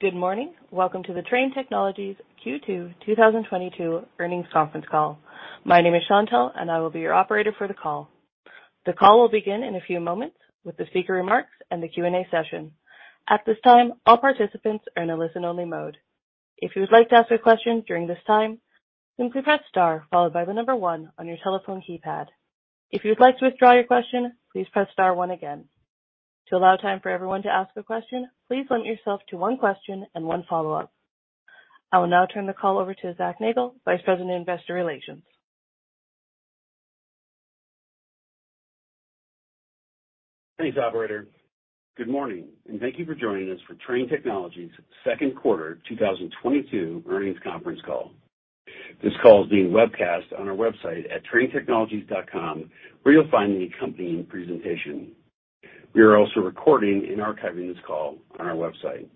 Good morning. Welcome to the Trane Technologies Q2 2022 earnings conference call. My name is Chantelle, and I will be your operator for the call. The call will begin in a few moments with the speaker remarks and the Q&A session. At this time, all participants are in a listen-only mode. If you would like to ask a question during this time, simply press star followed by the number one on your telephone keypad. If you'd like to withdraw your question, please press star one again. To allow time for everyone to ask a question, please limit yourself to one question and one follow-up. I will now turn the call over to Zach Nagle, Vice President, Investor Relations. Thanks, operator. Good morning, and thank you for joining us for Trane Technologies second quarter 2022 earnings conference call. This call is being webcast on our website at tranetechnologies.com, where you'll find the accompanying presentation. We are also recording and archiving this call on our website.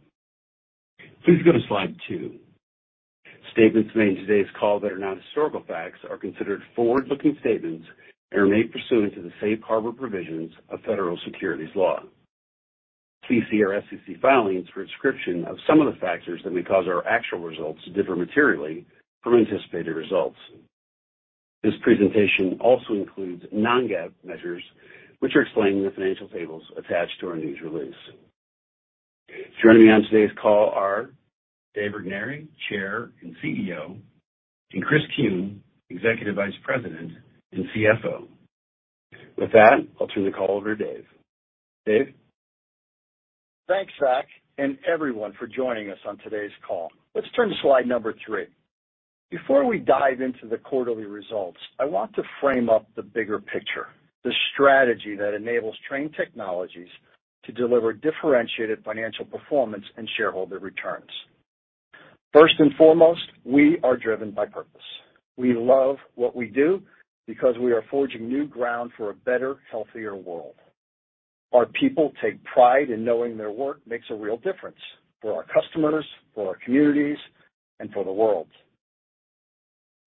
Please go to slide 2. Statements made in today's call that are not historical facts are considered forward-looking statements and are made pursuant to the safe harbor provisions of Federal Securities Law. Please see our SEC filings for a description of some of the factors that may cause our actual results to differ materially from anticipated results. This presentation also includes non-GAAP measures, which are explained in the financial tables attached to our news release. Joining me on today's call are Dave Regnery, Chair and CEO, and Chris Kuehn, Executive Vice President and CFO. With that, I'll turn the call over to Dave. Dave? Thanks, Zach, and everyone for joining us on today's call. Let's turn to slide number 3. Before we dive into the quarterly results, I want to frame up the bigger picture, the strategy that enables Trane Technologies to deliver differentiated financial performance and shareholder returns. First and foremost, we are driven by purpose. We love what we do because we are forging new ground for a better, healthier world. Our people take pride in knowing their work makes a real difference for our customers, for our communities, and for the world.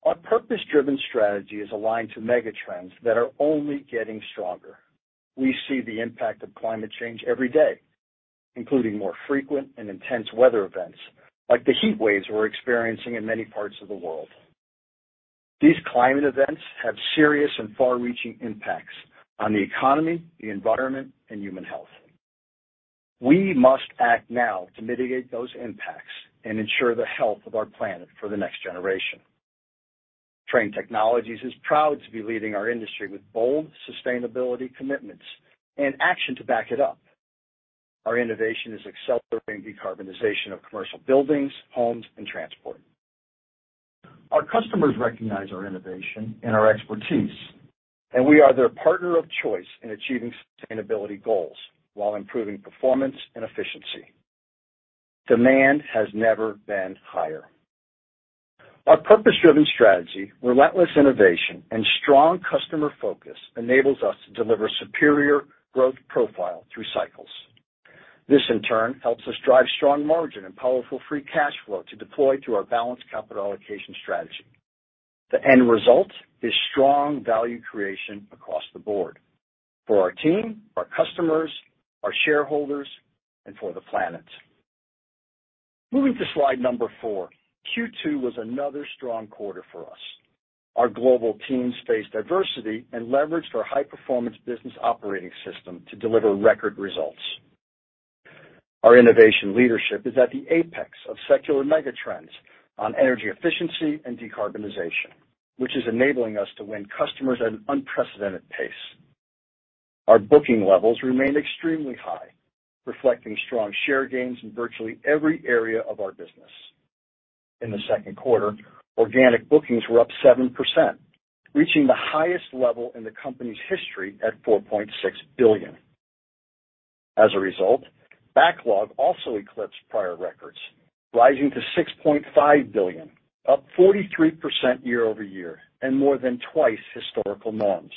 Our purpose-driven strategy is aligned to mega trends that are only getting stronger. We see the impact of climate change every day, including more frequent and intense weather events like the heat waves we're experiencing in many parts of the world. These climate events have serious and far-reaching impacts on the economy, the environment, and human health. We must act now to mitigate those impacts and ensure the health of our planet for the next generation. Trane Technologies is proud to be leading our industry with bold sustainability commitments and action to back it up. Our innovation is accelerating decarbonization of commercial buildings, homes, and transport. Our customers recognize our innovation and our expertise, and we are their partner of choice in achieving sustainability goals while improving performance and efficiency. Demand has never been higher. Our purpose-driven strategy, relentless innovation, and strong customer focus enables us to deliver superior growth profile through cycles. This, in turn, helps us drive strong margin and powerful free cash flow to deploy through our balanced capital allocation strategy. The end result is strong value creation across the board for our team, our customers, our shareholders, and for the planet. Moving to slide 4. Q2 was another strong quarter for us. Our global teams faced diversity and leveraged our high-performance business operating system to deliver record results. Our innovation leadership is at the apex of secular mega trends on energy efficiency and decarbonization, which is enabling us to win customers at an unprecedented pace. Our booking levels remained extremely high, reflecting strong share gains in virtually every area of our business. In the second quarter, organic bookings were up 7%, reaching the highest level in the company's history at $4.6 billion. As a result, backlog also eclipsed prior records, rising to $6.5 billion, up 43% year-over-year and more than twice historical norms.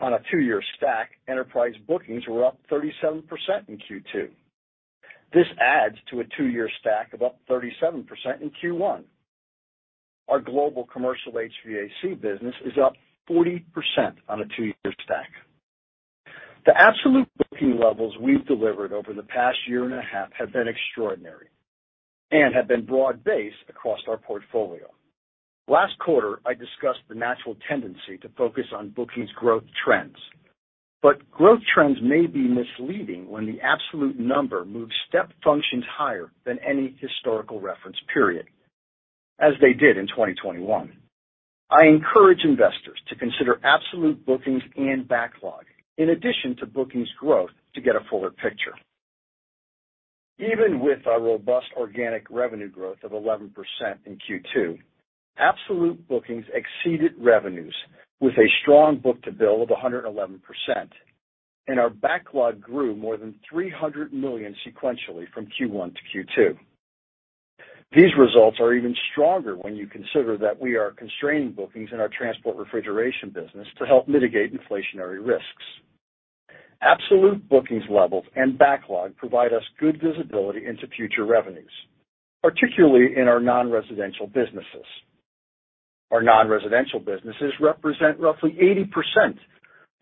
On a two-year stack, enterprise bookings were up 37% in Q2. This adds to a two-year stack of up 37% in Q1. Our global commercial HVAC business is up 40% on a two-year stack. The absolute booking levels we've delivered over the past year and a half have been extraordinary and have been broad-based across our portfolio. Last quarter, I discussed the natural tendency to focus on bookings growth trends. Growth trends may be misleading when the absolute number moves step functions higher than any historical reference period, as they did in 2021. I encourage investors to consider absolute bookings and backlog in addition to bookings growth to get a fuller picture. Even with our robust organic revenue growth of 11% in Q2, absolute bookings exceeded revenues with a strong book-to-bill of 111%, and our backlog grew more than $300 million sequentially from Q1 to Q2. These results are even stronger when you consider that we are constraining bookings in our transport refrigeration business to help mitigate inflationary risks. Absolute bookings levels and backlog provide us good visibility into future revenues, particularly in our non-residential businesses. Our non-residential businesses represent roughly 80%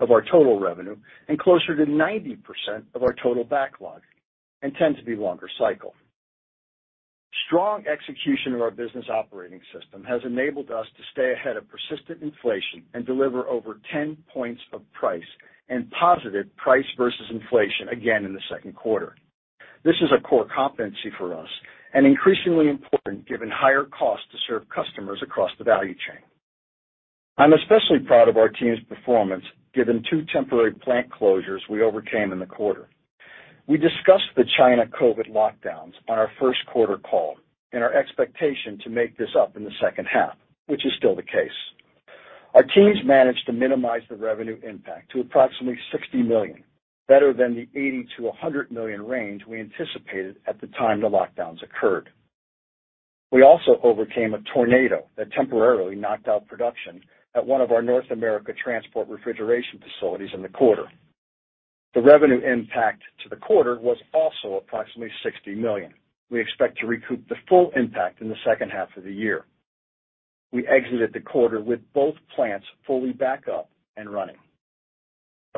of our total revenue and closer to 90% of our total backlog and tend to be longer cycle. Strong execution of our business operating system has enabled us to stay ahead of persistent inflation and deliver over 10 points of price and positive price versus inflation again in the second quarter. This is a core competency for us and increasingly important given higher costs to serve customers across the value chain. I'm especially proud of our team's performance given two temporary plant closures we overcame in the quarter. We discussed the China COVID lockdowns on our first quarter call and our expectation to make this up in the second half, which is still the case. Our teams managed to minimize the revenue impact to approximately $60 million, better than the $80-$100 million range we anticipated at the time the lockdowns occurred. We also overcame a tornado that temporarily knocked out production at one of our North America transport refrigeration facilities in the quarter. The revenue impact to the quarter was also approximately $60 million. We expect to recoup the full impact in the second half of the year. We exited the quarter with both plants fully back up and running.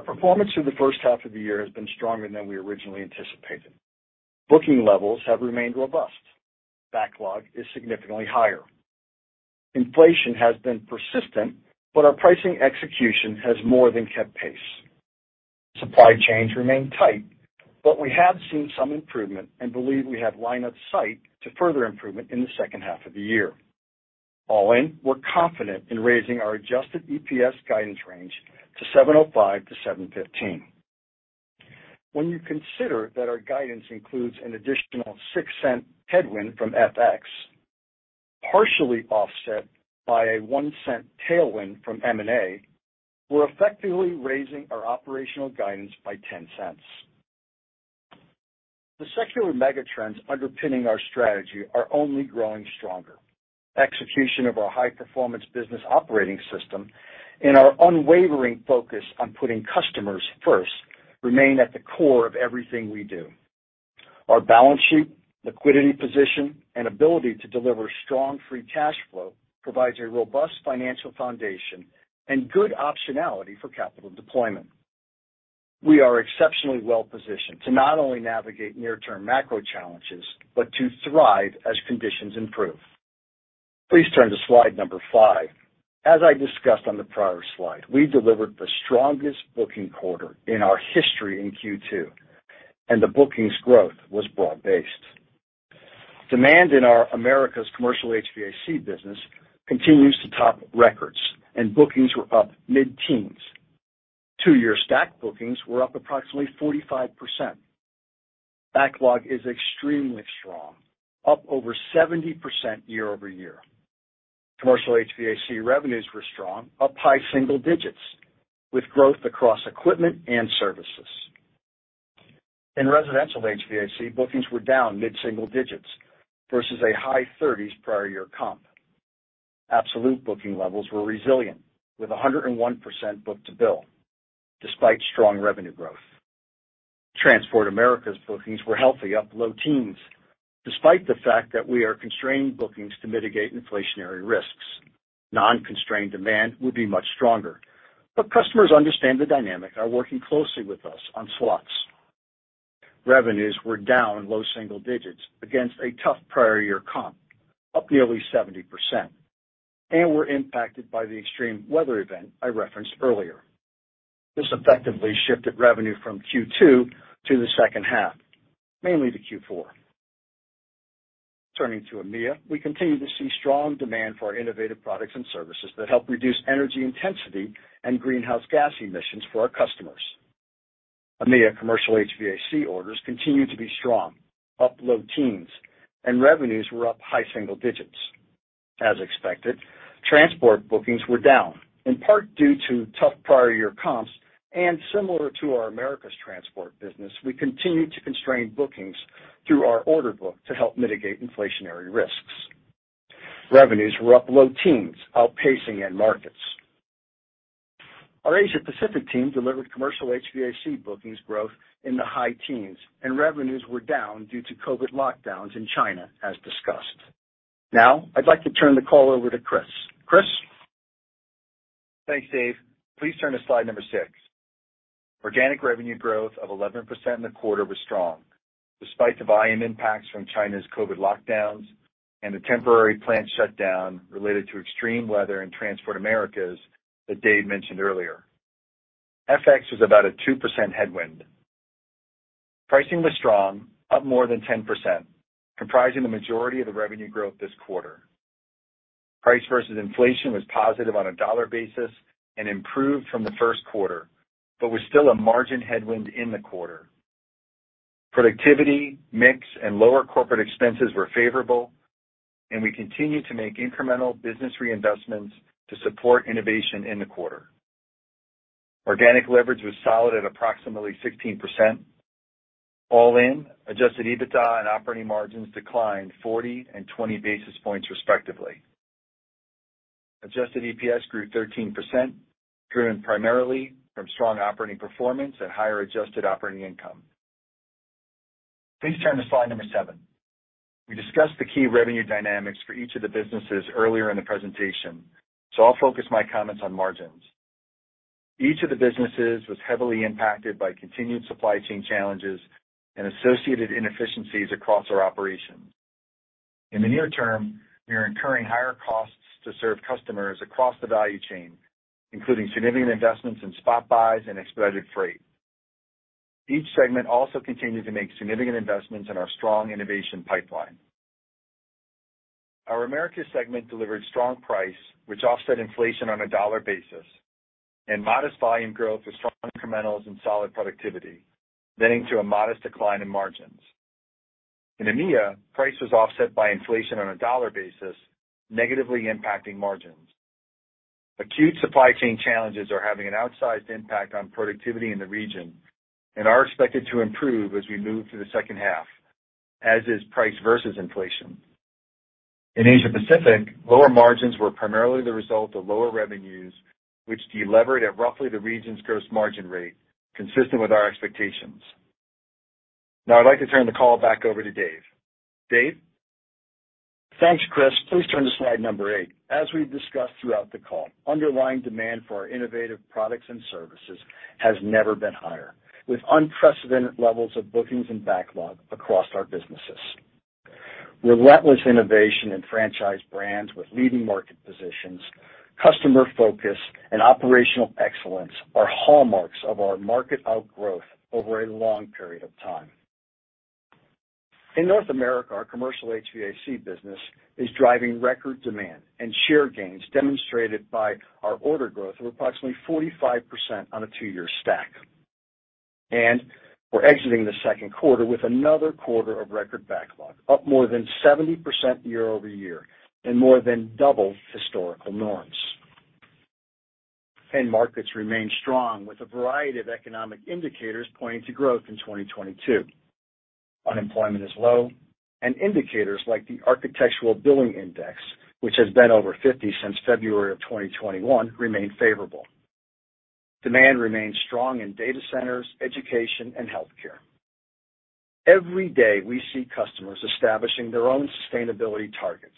Our performance through the first half of the year has been stronger than we originally anticipated. Booking levels have remained robust. Backlog is significantly higher. Inflation has been persistent, but our pricing execution has more than kept pace. Supply chains remain tight, but we have seen some improvement and believe we have line of sight to further improvement in the second half of the year. All in, we're confident in raising our Adjusted EPS guidance range to $7.05-$7.15. When you consider that our guidance includes an additional $0.06 Headwind from FX, partially offset by a $0.01 Tailwind from M&A, we're effectively raising our operational guidance by $0.10. The secular megatrends underpinning our strategy are only growing stronger. Execution of our high-performance business operating system and our unwavering focus on putting customers first remain at the core of everything we do. Our balance sheet, liquidity position, and ability to deliver strong free cash flow provides a robust financial foundation and good optionality for capital deployment. We are exceptionally well positioned to not only navigate near-term macro challenges, but to thrive as conditions improve. Please turn to slide 5. As I discussed on the prior slide, we delivered the strongest booking quarter in our history in Q2, and the bookings growth was broad-based. Demand in our Americas commercial HVAC business continues to top records and bookings were up mid-teens. Two-year stack bookings were up approximately 45%. Backlog is extremely strong, up over 70% year-over-year. Commercial HVAC revenues were strong, up high single digits with growth across equipment and services. In residential HVAC, bookings were down mid-single digits versus a high 30s prior year comp. Absolute booking levels were resilient with a 101% book-to-bill despite strong revenue growth. Transport Americas bookings were healthy, up low teens, despite the fact that we are constraining bookings to mitigate inflationary risks. Non-constrained demand would be much stronger, but customers understand the dynamics and are working closely with us on slots. Revenues were down low single digits against a tough prior year comp, up nearly 70%, and were impacted by the extreme weather event I referenced earlier. This effectively shifted revenue from Q2 to the second half, mainly to Q4. Turning to EMEA, we continue to see strong demand for our innovative products and services that help reduce energy intensity and greenhouse gas emissions for our customers. EMEA commercial HVAC orders continued to be strong, up low teens, and revenues were up high single digits. As expected, transport bookings were down, in part due to tough prior year comps and similar to our Americas transport business, we continued to constrain bookings through our order book to help mitigate inflationary risks. Revenues were up low teens, outpacing end markets. Our Asia Pacific team delivered commercial HVAC bookings growth in the high teens, and revenues were down due to COVID lockdowns in China as discussed. Now, I'd like to turn the call over to Chris. Chris? Thanks, Dave. Please turn to slide 6. Organic revenue growth of 11% in the quarter was strong despite the volume impacts from China's COVID lockdowns and the temporary plant shutdown related to extreme weather in Transport Americas that Dave mentioned earlier. FX was about a 2% headwind. Pricing was strong, up more than 10%, comprising the majority of the revenue growth this quarter. Price versus inflation was positive on a dollar basis and improved from the first quarter, but was still a margin headwind in the quarter. Productivity, mix, and lower corporate expenses were favorable, and we continued to make incremental business reinvestments to support innovation in the quarter. Organic leverage was solid at approximately 16%. All in, Adjusted EBITDA and operating margins declined 40 and 20 basis points respectively. Adjusted EPS grew 13%, driven primarily from strong operating performance at higher adjusted operating income. Please turn to slide 7. We discussed the key revenue dynamics for each of the businesses earlier in the presentation, so I'll focus my comments on margins. Each of the businesses was heavily impacted by continued supply chain challenges and associated inefficiencies across our operations. In the near term, we are incurring higher costs to serve customers across the value chain, including significant investments in spot buys and expedited freight. Each segment also continued to make significant investments in our strong innovation pipeline. Our Americas segment delivered strong price, which offset inflation on a dollar basis, and modest volume growth with strong incrementals and solid productivity, leading to a modest decline in margins. In EMEA, price was offset by inflation on a dollar basis, negatively impacting margins. Acute supply chain challenges are having an outsized impact on productivity in the region and are expected to improve as we move to the second half, as is price versus inflation. In Asia Pacific, lower margins were primarily the result of lower revenues, which delevered at roughly the region's gross margin rate, consistent with our expectations. Now I'd like to turn the call back over to Dave. Dave? Thanks, Chris. Please turn to slide 8. As we've discussed throughout the call, underlying demand for our innovative products and services has never been higher, with unprecedented levels of bookings and backlog across our businesses. Relentless innovation in franchise brands with leading market positions, customer focus, and operational excellence are hallmarks of our market outgrowth over a long period of time. In North America, our commercial HVAC business is driving record demand and share gains demonstrated by our order growth of approximately 45% on a two-year stack. We're exiting the second quarter with another quarter of record backlog, up more than 70% year-over-year and more than double historical norms. End markets remain strong with a variety of economic indicators pointing to growth in 2022. Unemployment is low, and indicators like the Architecture Billings Index, which has been over 50 since February of 2021, remain favorable. Demand remains strong in data centers, education, and healthcare. Every day we see customers establishing their own sustainability targets,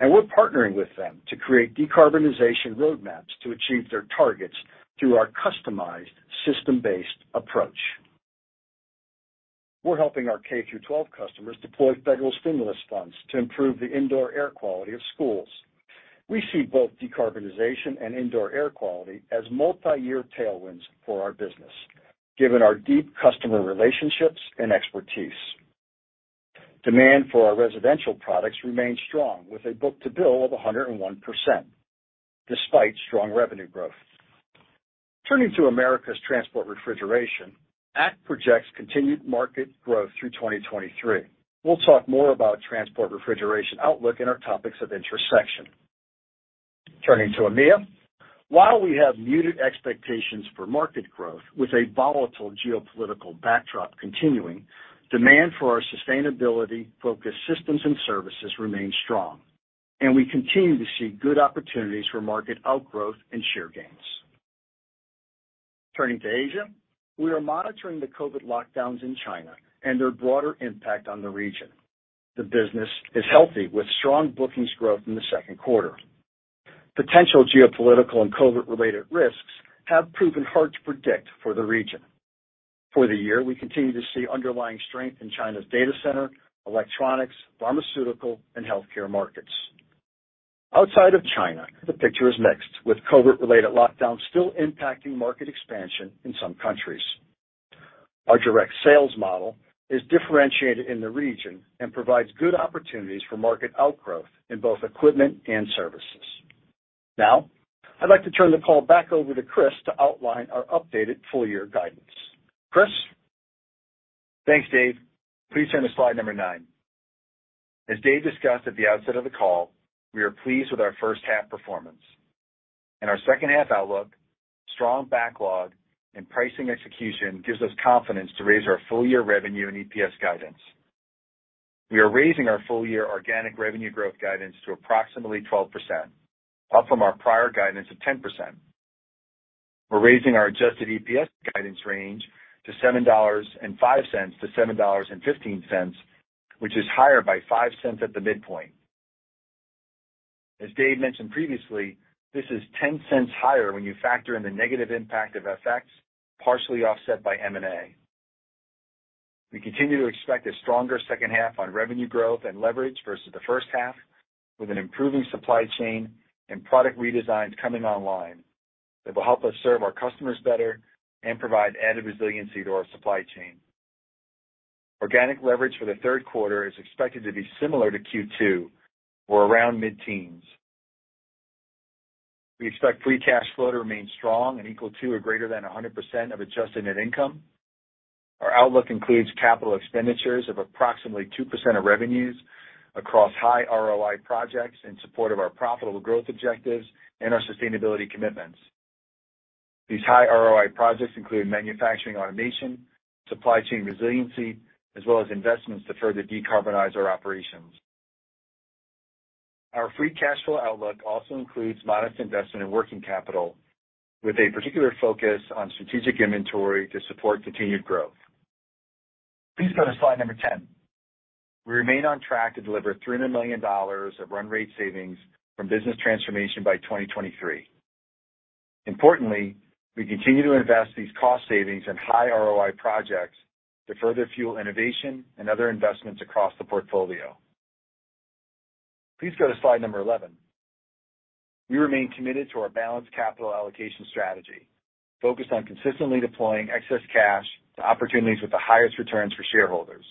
and we're partnering with them to create decarbonization roadmaps to achieve their targets through our customized system-based approach. We're helping our K-12 customers deploy federal stimulus funds to improve the indoor air quality of schools. We see both decarbonization and indoor air quality as multiyear tailwinds for our business, given our deep customer relationships and expertise. Demand for our residential products remains strong with a book-to-bill of 101% despite strong revenue growth. Turning to Americas transport refrigeration, ACT projects continued market growth through 2023. We'll talk more about transport refrigeration outlook in our topics of interest section. Turning to EMEA. While we have muted expectations for market growth with a volatile geopolitical backdrop continuing, demand for our sustainability-focused systems and services remains strong, and we continue to see good opportunities for market outgrowth and share gains. Turning to Asia. We are monitoring the COVID lockdowns in China and their broader impact on the region. The business is healthy with strong bookings growth in the second quarter. Potential geopolitical and COVID-related risks have proven hard to predict for the region. For the year, we continue to see underlying strength in China's data center, electronics, pharmaceutical, and healthcare markets. Outside of China, the picture is mixed, with COVID-related lockdowns still impacting market expansion in some countries. Our direct sales model is differentiated in the region and provides good opportunities for market outgrowth in both equipment and services. Now, I'd like to turn the call back over to Chris to outline our updated full year guidance. Chris? Thanks, Dave. Please turn to slide 9. As Dave discussed at the outset of the call, we are pleased with our first half performance. In our second half outlook, strong backlog and pricing execution gives us confidence to raise our full year revenue and EPS guidance. We are raising our full year organic revenue growth guidance to approximately 12%, up from our prior guidance of 10%. We're raising our Adjusted EPS guidance range to $7.05-$7.15, which is higher by $0.05 At the midpoint. As Dave mentioned previously, this is $0.10 higher when you factor in the negative impact of FX, partially offset by M&A. We continue to expect a stronger second half on revenue growth and leverage versus the first half with an improving supply chain and product redesigns coming online that will help us serve our customers better and provide added resiliency to our supply chain. Organic leverage for the third quarter is expected to be similar to Q2 or around mid-teens. We expect free cash flow to remain strong and equal to or greater than 100% of adjusted net income. Our outlook includes capital expenditures of approximately 2% of revenues across high ROI projects in support of our profitable growth objectives and our sustainability commitments. These high ROI projects include manufacturing automation, supply chain resiliency, as well as investments to further decarbonize our operations. Our free cash flow outlook also includes modest investment in working capital, with a particular focus on strategic inventory to support continued growth. Please go to slide 10. We remain on track to deliver $300 million of run rate savings from business transformation by 2023. Importantly, we continue to invest these cost savings in high ROI projects to further fuel innovation and other investments across the portfolio. Please go to slide 11. We remain committed to our balanced capital allocation strategy, focused on consistently deploying excess cash to opportunities with the highest returns for shareholders.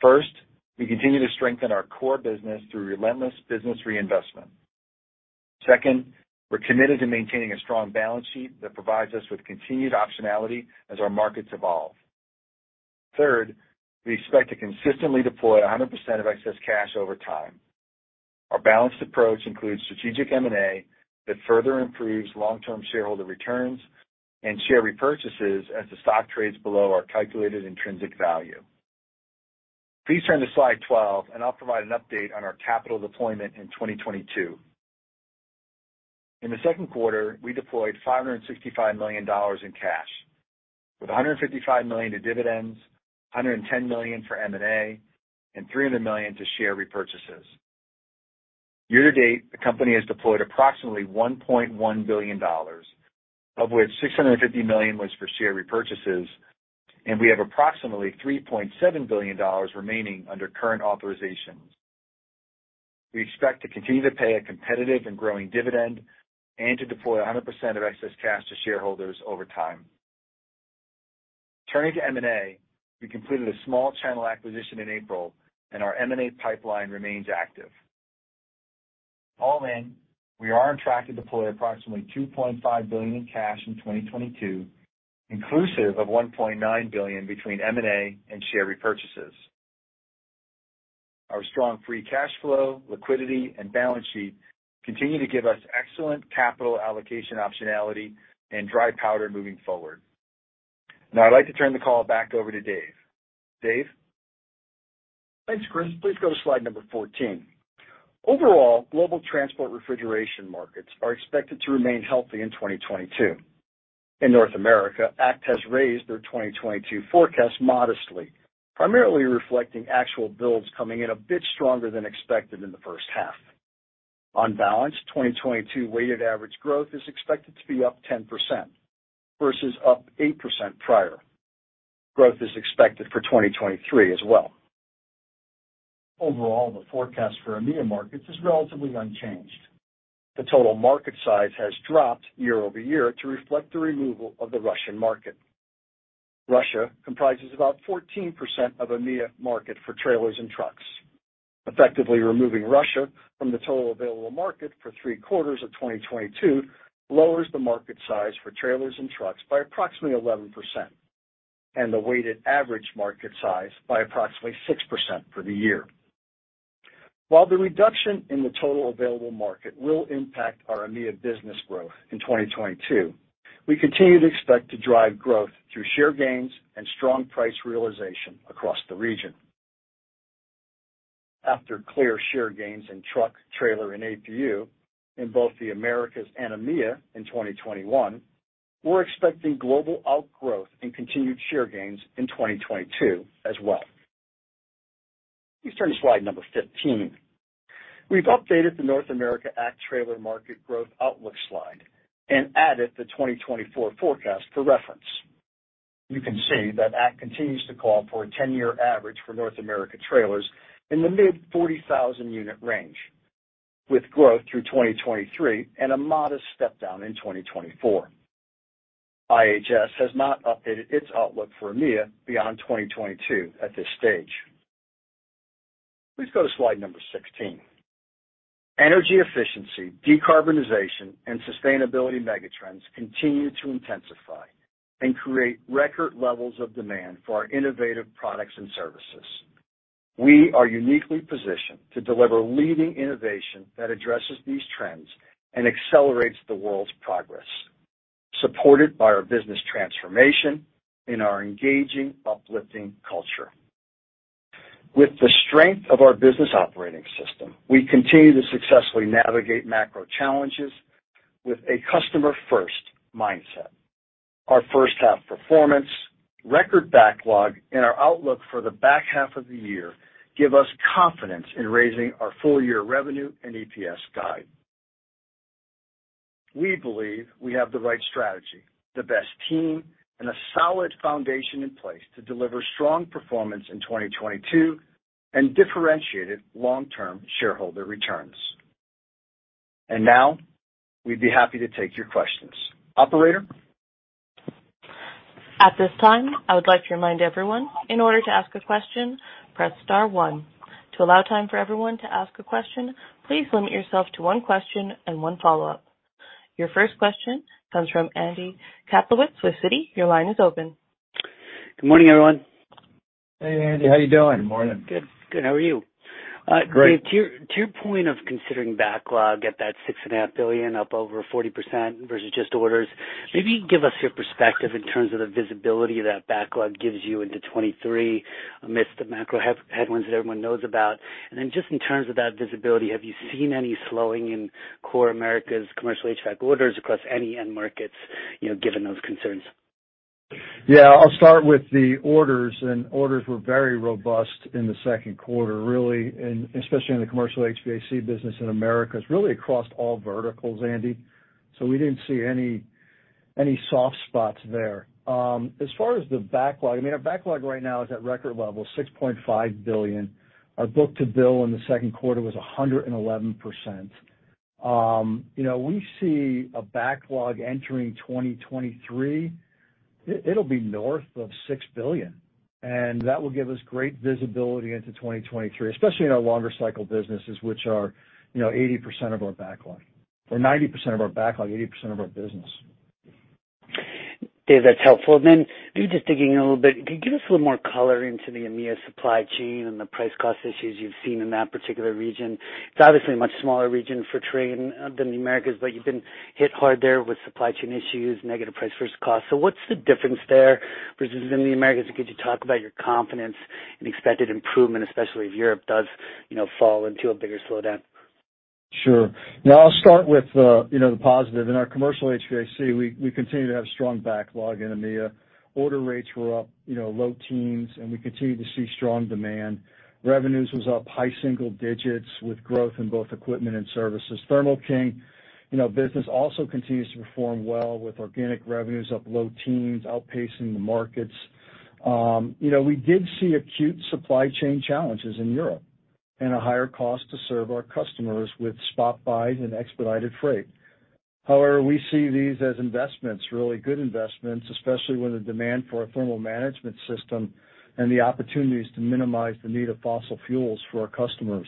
First, we continue to strengthen our core business through relentless business reinvestment. Second, we're committed to maintaining a strong balance sheet that provides us with continued optionality as our markets evolve. Third, we expect to consistently deploy 100% of excess cash over time. Our balanced approach includes strategic M&A that further improves long-term shareholder returns and share repurchases as the stock trades below our calculated intrinsic value. Please turn to slide 12 and I'll provide an update on our capital deployment in 2022. In the second quarter, we deployed $565 million in cash, with $155 million to dividends, $110 million for M&A, and $300 million to share repurchases. Year to date, the company has deployed approximately $1.1 billion, of which $650 million was for share repurchases, and we have approximately $3.7 billion remaining under current authorizations. We expect to continue to pay a competitive and growing dividend and to deploy 100% of excess cash to shareholders over time. Turning to M&A, we completed a small channel acquisition in April, and our M&A pipeline remains active. All in, we are on track to deploy approximately $2.5 billion in cash in 2022, inclusive of $1.9 billion between M&A and share repurchases. Our strong free cash flow, liquidity, and balance sheet continue to give us excellent capital allocation optionality and dry powder moving forward. Now I'd like to turn the call back over to Dave. Dave? Thanks, Chris. Please go to slide 14. Overall, global transport refrigeration markets are expected to remain healthy in 2022. In North America, ACT has raised their 2022 forecast modestly, primarily reflecting actual builds coming in a bit stronger than expected in the first half. On balance, 2022 weighted average growth is expected to be up 10% versus up 8% prior. Growth is expected for 2023 as well. Overall, the forecast for EMEA markets is relatively unchanged. The total market size has dropped year-over-year to reflect the removal of the Russian market. Russia comprises about 14% of EMEA market for trailers and trucks. Effectively removing Russia from the total available market for three quarters of 2022 lowers the market size for trailers and trucks by approximately 11% and the weighted average market size by approximately 6% for the year. While the reduction in the total available market will impact our EMEA business growth in 2022, we continue to expect to drive growth through share gains and strong price realization across the region. After clear share gains in truck, trailer, and APU in both the Americas and EMEA in 2021, we're expecting global outgrowth and continued share gains in 2022 as well. Please turn to slide 15. We've updated the North America ACT trailer market growth outlook slide and added the 2024 forecast for reference. You can see that ACT continues to call for a ten-year average for North America trailers in the mid 40,000 unit range, with growth through 2023 and a modest step-down in 2024. IHS has not updated its outlook for EMEA beyond 2022 at this stage. Please go to slide 16. Energy efficiency, decarbonization, and sustainability megatrends continue to intensify and create record levels of demand for our innovative products and services. We are uniquely positioned to deliver leading innovation that addresses these trends and accelerates the world's progress, supported by our business transformation and our engaging, uplifting culture. With the strength of our business operating system, we continue to successfully navigate macro challenges with a customer-first mindset. Our first half performance, record backlog, and our outlook for the back half of the year give us confidence in raising our full year revenue and EPS guide. We believe we have the right strategy, the best team, and a solid foundation in place to deliver strong performance in 2022 and differentiated long-term shareholder returns. Now we'd be happy to take your questions. Operator? At this time, I would like to remind everyone, in order to ask a question, press star one. To allow time for everyone to ask a question, please limit yourself to one question and one follow-up. Your first question comes from Andy Kaplowitz with Citi. Your line is open. Good morning, everyone. Hey Andy, how you doing? Good morning. Good. Good. How are you? Great. To your point of considering backlog at that $6.5 billion up over 40% versus just orders. Maybe give us your perspective in terms of the visibility that backlog gives you into 2023 amidst the macro headlines that everyone knows about. Then just in terms of that visibility, have you seen any slowing in core Americas commercial HVAC orders across any end markets, you know, given those concerns? Yeah, I'll start with the orders were very robust in the second quarter, really, especially in the commercial HVAC business in Americas, really across all verticals, Andy. We didn't see any soft spots there. As far as the backlog, I mean, our backlog right now is at record levels, $6.5 billion. Our book-to-bill in the second quarter was 111%. You know, we see a backlog entering 2023. It'll be north of $6 billion, and that will give us great visibility into 2023, especially in our longer cycle businesses which are, you know, 80% of our backlog or 90% of our backlog, 80% of our business. Dave, that's helpful. Maybe just digging in a little bit. Can you give us a little more color into the EMEA supply chain and the price cost issues you've seen in that particular region? It's obviously a much smaller region for Trane than the Americas, but you've been hit hard there with supply chain issues, negative price versus cost. What's the difference there versus in the Americas? Could you talk about your confidence and expected improvement, especially if Europe does, you know, fall into a bigger slowdown? Sure. Now, I'll start with, you know, the positive. In our commercial HVAC, we continue to have strong backlog in EMEA. Order rates were up, you know, low teens, and we continue to see strong demand. Revenues was up high single digits with growth in both equipment and services. Thermo King, you know, business also continues to perform well with organic revenues up low teens, outpacing the markets. You know, we did see acute supply chain challenges in Europe and a higher cost to serve our customers with spot buys and expedited freight. However, we see these as investments, really good investments, especially when the demand for a thermal management system and the opportunities to minimize the need of fossil fuels for our customers.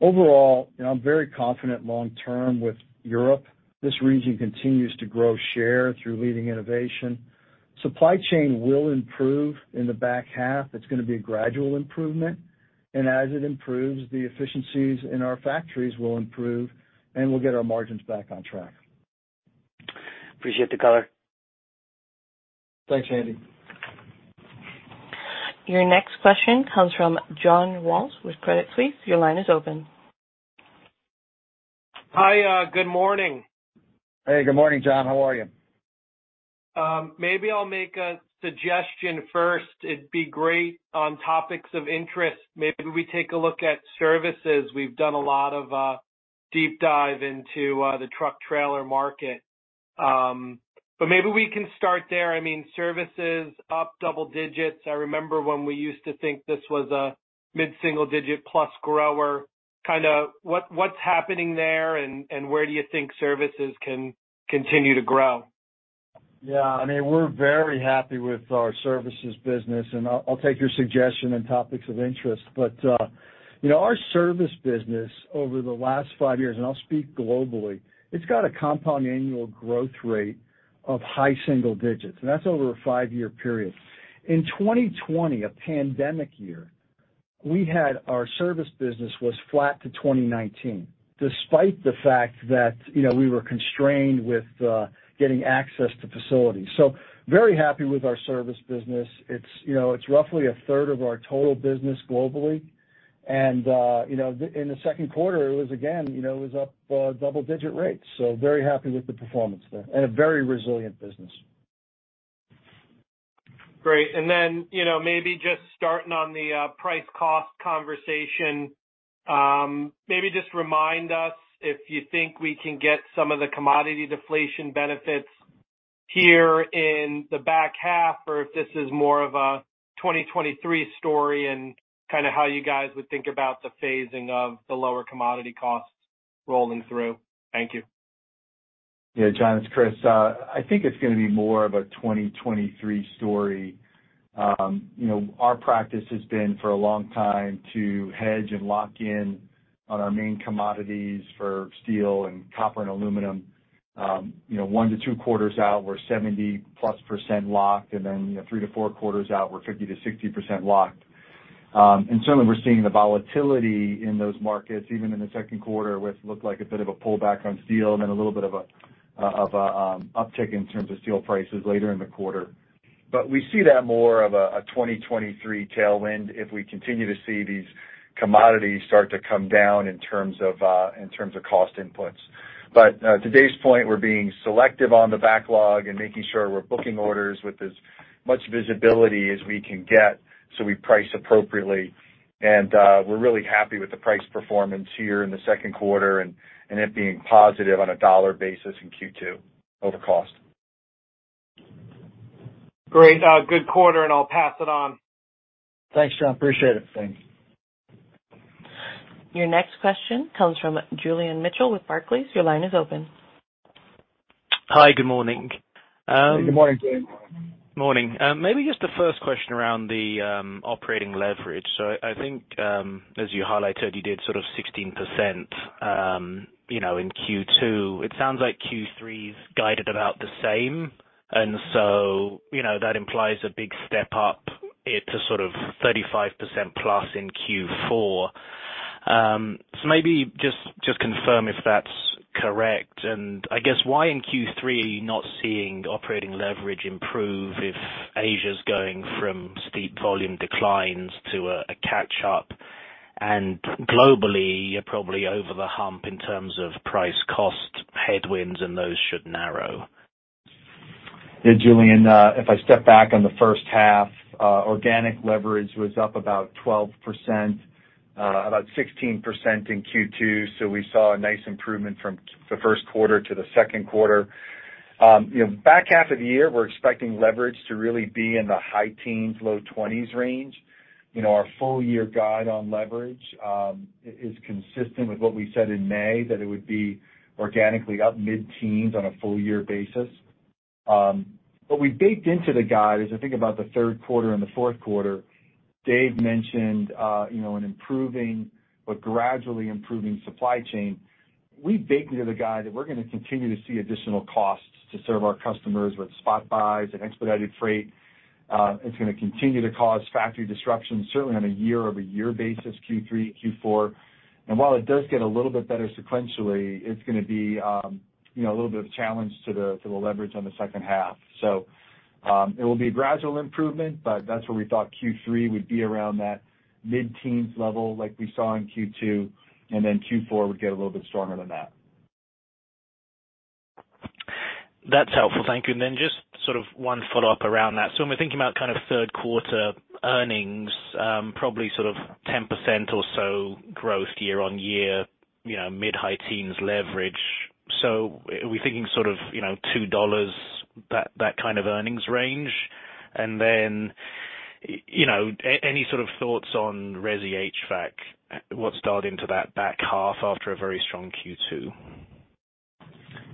Overall, you know, I'm very confident long term with Europe. This region continues to grow share through leading innovation. Supply chain will improve in the back half. It's gonna be a gradual improvement. As it improves, the efficiencies in our factories will improve, and we'll get our margins back on track. Appreciate the color. Thanks, Andy. Your next question comes from John Walsh with Credit Suisse. Your line is open. Hi, good morning. Hey, good morning, John. How are you? Maybe I'll make a suggestion first. It'd be great on topics of interest, maybe we take a look at services. We've done a lot of deep dive into the truck trailer market. Maybe we can start there. I mean, services up double digits. I remember when we used to think this was a mid-single digit plus grower. Kinda, what's happening there and where do you think services can continue to grow? Yeah. I mean, we're very happy with our services business, and I'll take your suggestion on topics of interest. You know, our service business over the last five years, and I'll speak globally, it's got a compound annual growth rate of high single digits, and that's over a five-year period. In 2020, a pandemic year, we had our service business was flat to 2019, despite the fact that, you know, we were constrained with getting access to facilities. Very happy with our service business. It's, you know, it's roughly 1/3 of our total business globally. You know, then, in the second quarter, it was, again, you know, it was up double-digit rates, very happy with the performance there and a very resilient business. Great. You know, maybe just starting on the price cost conversation, maybe just remind us if you think we can get some of the commodity deflation benefits here in the back half, or if this is more of a 2023 story, and kinda how you guys would think about the phasing of the lower commodity costs rolling through. Thank you. Yeah, John, it's Chris. I think it's gonna be more of a 2023 story. You know, our practice has been for a long time to hedge and lock in on our main commodities for steel and copper and aluminum. You know, one-two quarters out, we're 70+% locked, and then, you know, three-four quarters out, we're 50%-60% locked. And certainly we're seeing the volatility in those markets, even in the second quarter, which looked like a bit of a pullback on steel and then a little bit of a uptick in terms of steel prices later in the quarter. We see that more of a 2023 tailwind if we continue to see these commodities start to come down in terms of cost inputs. To this point, we're being selective on the backlog and making sure we're booking orders with as much visibility as we can get so we price appropriately. We're really happy with the price performance here in the second quarter and it being positive on a dollar basis in Q2 over cost. Great. Good quarter, and I'll pass it on. Thanks, John. Appreciate it. Thanks. Your next question comes from Julian Mitchell with Barclays. Your line is open. Hi. Good morning. Good morning, Julian. Morning. Maybe just the first question around the operating leverage. I think as you highlighted, you did sort of 16%, you know, in Q2. It sounds like Q3's guided about the same. You know, that implies a big step up in it to sort of 35%+ in Q4. Maybe just confirm if that's correct. I guess why in Q3 not seeing operating leverage improve if Asia's going from steep volume declines to a catch-up? Globally, you're probably over the hump in terms of price cost headwinds, and those should narrow. Yeah, Julian, if I step back on the first half, organic leverage was up about 12%, about 16% in Q2. We saw a nice improvement from the first quarter to the second quarter. You know, back half of the year, we're expecting leverage to really be in the high teens, low twenties range. You know, our full year guide on leverage is consistent with what we said in May, that it would be organically up mid-teens on a full year basis. What we baked into the guide, as I think about the third quarter and the fourth quarter, Dave mentioned, you know, an improving but gradually improving supply chain. We baked into the guide that we're gonna continue to see additional costs to serve our customers with spot buys and expedited freight. It's gonna continue to cause factory disruptions, certainly on a year-over-year basis, Q3, Q4. While it does get a little bit better sequentially, it's gonna be, you know, a little bit of a challenge to the leverage on the second half. It will be a gradual improvement, but that's where we thought Q3 would be around that mid-teens level like we saw in Q2, and then Q4 would get a little bit stronger than that. That's helpful. Thank you. Just sort of one follow-up around that. When we're thinking about kind of third quarter earnings, probably sort of 10% or so growth year-on-year, you know, mid-high teens leverage. Are we thinking sort of, you know, $2, that kind of earnings range? You know, any sort of thoughts on resi HVAC, what's dialed into that back half after a very strong Q2?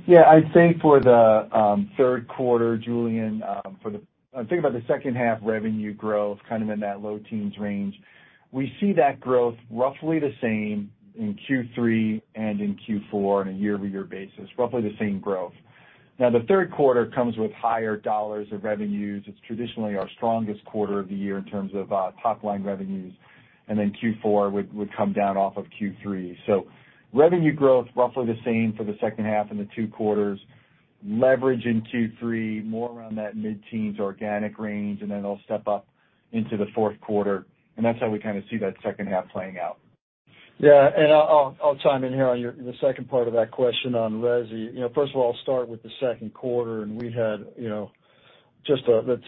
I'd say for the third quarter, Julian. Think about the second half revenue growth, kind of in that low-teens range. We see that growth roughly the same in Q3 and in Q4 on a year-over-year basis, roughly the same growth. Now, the third quarter comes with higher dollars of revenues. It's traditionally our strongest quarter of the year in terms of top line revenues, and then Q4 would come down off of Q3. Revenue growth roughly the same for the second half and the two quarters. Leverage in Q3 more around that mid-teens organic range, and then it'll step up into the fourth quarter. That's how we kind of see that second half playing out. Yeah. I'll chime in here on the second part of that question on resi. You know, first of all, I'll start with the second quarter. The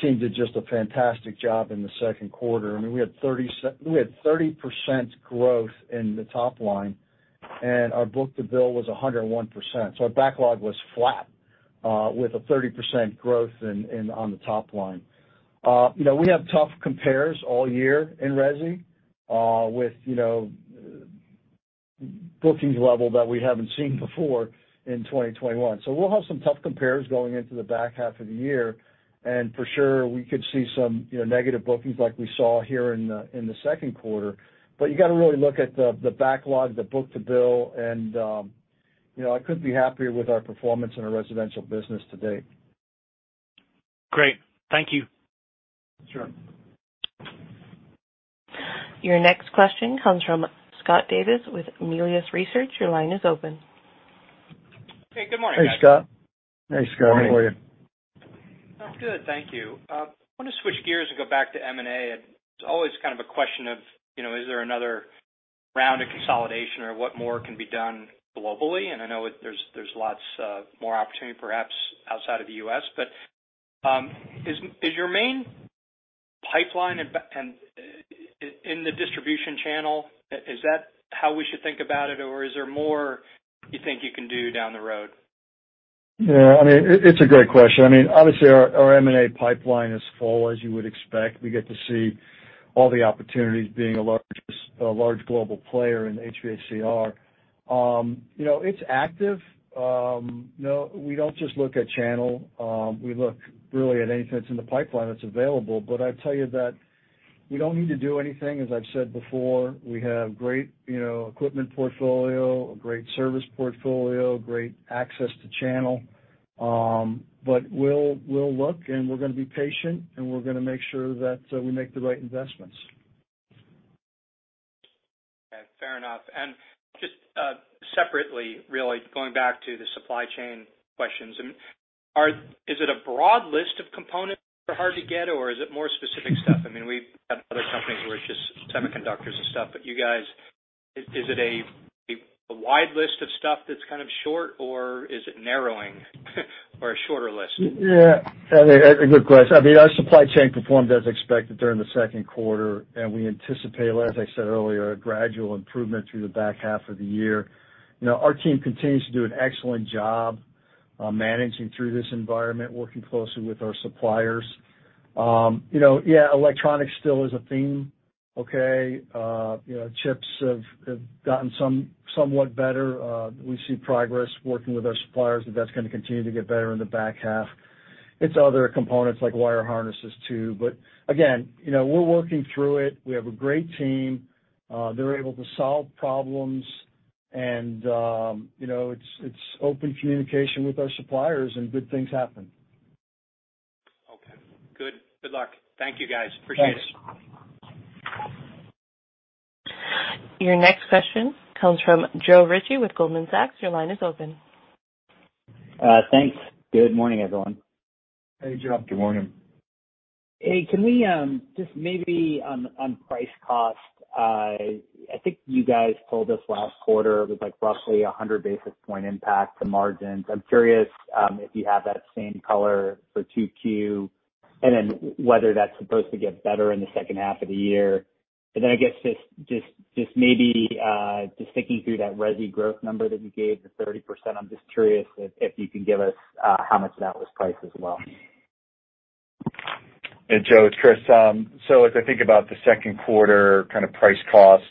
team did just a fantastic job in the second quarter. I mean, we had 30% growth in the top line, and our book-to-bill was 101%. So our backlog was flat with a 30% growth on the top line. You know, we have tough compares all year in resi with bookings level that we haven't seen before in 2021. We'll have some tough compares going into the back half of the year. For sure, we could see some negative bookings like we saw here in the second quarter. You gotta really look at the backlog, the book-to-bill, and you know, I couldn't be happier with our performance in our residential business to date. Great. Thank you. Sure. Your next question comes from Scott Davis with Melius Research. Your line is open. Hey, good morning, guys. Hey, Scott. Hey, Scott. How are you? I'm good, thank you. I wanna switch gears and go back to M&A. It's always kind of a question of, you know, is there another round of consolidation or what more can be done globally? I know there's lots more opportunity perhaps outside of the U.S. Is your main pipeline in the distribution channel, is that how we should think about it, or is there more you think you can do down the road? Yeah, I mean, it's a great question. I mean, obviously our M&A pipeline is full as you would expect. We get to see all the opportunities being a large global player in HVACR. You know, it's active. No, we don't just look at channel. We look really at anything that's in the pipeline that's available. I'd tell you that we don't need to do anything. As I've said before, we have great, you know, equipment portfolio, a great service portfolio, great access to channel. But we'll look, and we're gonna be patient, and we're gonna make sure that we make the right investments. Okay. Fair enough. Just separately, really going back to the supply chain questions. I mean, is it a broad list of components that are hard to get, or is it more specific stuff? I mean, we've had other companies where it's just semiconductors and stuff, but you guys, is it a wide list of stuff that's kind of short, or is it narrowing or a shorter list? Yeah. A good question. I mean, our supply chain performed as expected during the second quarter, and we anticipate, as I said earlier, a gradual improvement through the back half of the year. You know, our team continues to do an excellent job, managing through this environment, working closely with our suppliers. You know, yeah, electronics still is a theme, okay. You know, chips have gotten somewhat better. We see progress working with our suppliers, and that's gonna continue to get better in the back half. It's other components like wire harnesses too. Again, you know, we're working through it. We have a great team. They're able to solve problems, and you know, it's open communication with our suppliers, and good things happen. Good. Good luck. Thank you, guys. Appreciate it. Thanks. Your next question comes from Joe Ritchie with Goldman Sachs. Your line is open. Thanks. Good morning, everyone. Hey, Joe. Good morning. Hey, can we just maybe on price cost? I think you guys told us last quarter it was, like, roughly 100 basis point impact to margins. I'm curious if you have that same color for 2Q, and then whether that's supposed to get better in the second half of the year. Then I guess just maybe just thinking through that resi growth number that you gave, the 30%, I'm just curious if you can give us how much of that was price as well. Hey, Joe, it's Chris. As I think about the second quarter kind of price cost,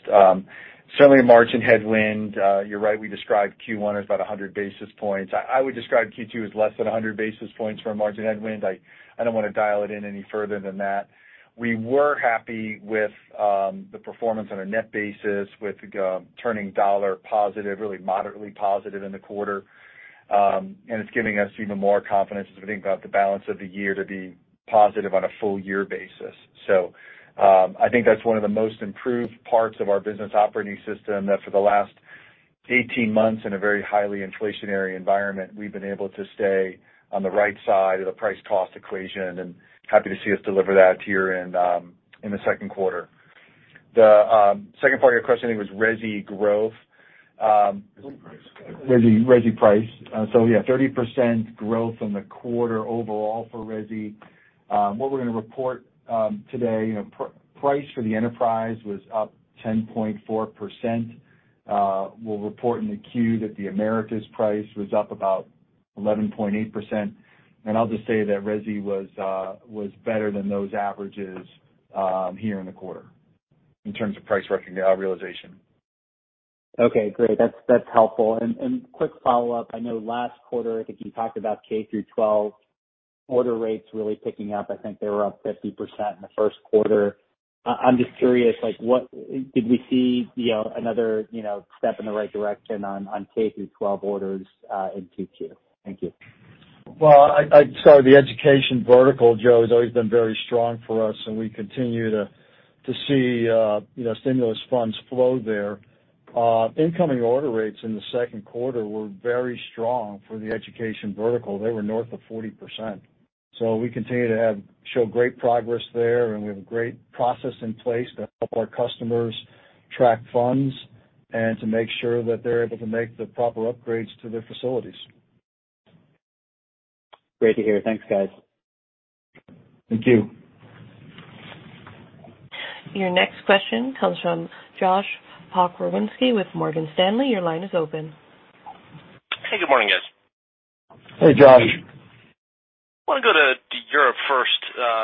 certainly a margin headwind. You're right, we described Q1 as about 100 basis points. I would describe Q2 as less than 100 basis points for a margin headwind. I don't wanna dial it in any further than that. We were happy with the performance on a net basis with turning dollar positive, really moderately positive in the quarter. It's giving us even more confidence as we think about the balance of the year to be positive on a full year basis. I think that's one of the most improved parts of our business operating system that for the last 18 months in a very highly inflationary environment, we've been able to stay on the right side of the price cost equation, and happy to see us deliver that here in the second quarter. The second part of your question, I think, was resi growth. Resi price. Resi price. 30% growth in the quarter overall for resi. What we're gonna report today, you know, price for the enterprise was up 10.4%. We'll report in the Q that the Americas price was up about 11.8%. I'll just say that resi was better than those averages here in the quarter in terms of price realization. Okay, great. That's helpful. Quick follow-up, I know last quarter, I think you talked about K-12 order rates really picking up. I think they were up 50% in the first quarter. I'm just curious, like, what did we see, you know, another, you know, step in the right direction on K-12 orders in Q2? Thank you. The education vertical, Joe, has always been very strong for us, and we continue to see, you know, stimulus funds flow there. Incoming order rates in the second quarter were very strong for the education vertical. They were north of 40%. We continue to show great progress there, and we have a great process in place to help our customers track funds and to make sure that they're able to make the proper upgrades to their facilities. Great to hear. Thanks, guys. Thank you. Your next question comes from Josh Pokrzywinski with Morgan Stanley. Your line is open. Hey, good morning, guys. Hey, Josh. I wanna go to Europe first,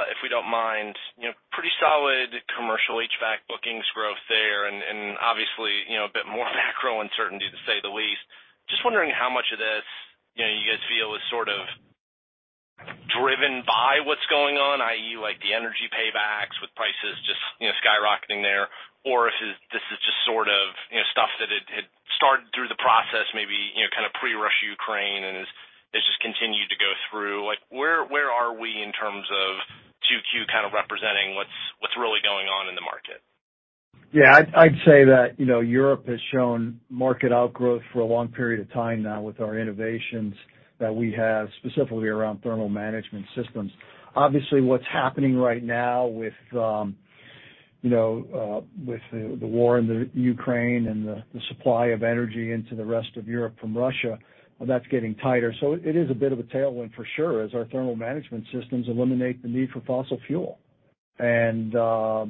if we don't mind. You know, pretty solid commercial HVAC bookings growth there and obviously, you know, a bit more macro uncertainty to say the least. Just wondering how much of this, you know, you guys feel is sort of driven by what's going on, i.e., like the energy paybacks with prices just, you know, skyrocketing there, or if this is just sort of, you know, stuff that had started through the process maybe, you know, kind of pre-Russia-Ukraine and has just continued to go through. Like, where are we in terms of 2Q kind of representing what's really going on in the market? Yeah. I'd say that, you know, Europe has shown market outgrowth for a long period of time now with our innovations that we have specifically around thermal management systems. Obviously, what's happening right now with you know with the war in the Ukraine and the supply of energy into the rest of Europe from Russia, that's getting tighter. It is a bit of a tailwind for sure as our thermal management systems eliminate the need for fossil fuel. Our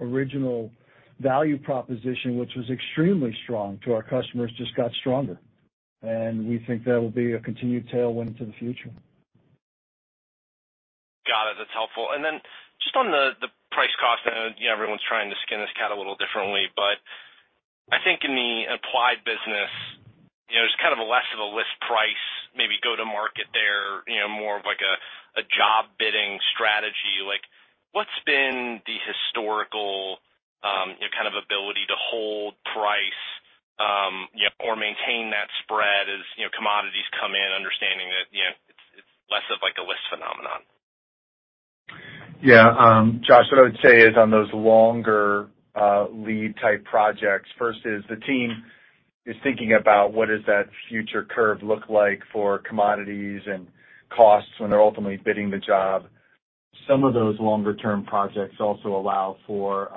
original value proposition, which was extremely strong to our customers, just got stronger. We think that'll be a continued tailwind into the future. Got it. That's helpful. Then just on the price cost, you know, everyone's trying to skin this cat a little differently, but I think in the applied business, you know, there's kind of a less of a list price, maybe go to market there, you know, more of like a job bidding strategy. Like, what's been the historical, you know, kind of ability to hold price, you know, or maintain that spread as, you know, commodities come in understanding that, you know, it's less of like a list phenomenon? Yeah. Josh, what I would say is on those longer lead type projects, first is the team is thinking about what does that future curve look like for commodities and costs when they're ultimately bidding the job. Some of those longer-term projects also allow for